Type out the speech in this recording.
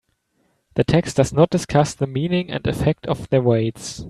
The text does not discuss the meaning and effect of the weights.